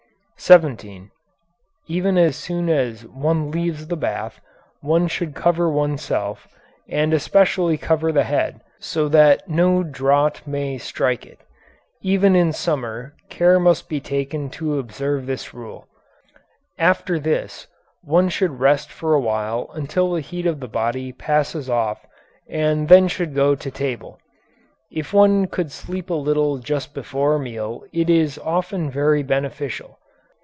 17. As soon as one leaves the bath one should cover oneself, and especially cover the head, so that no draught may strike it. Even in summer, care must be taken to observe this rule. After this one should rest for a while until the heat of the body passes off and then should go to table. If one could sleep a little just before a meal it is often very beneficial.